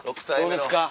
どうですか？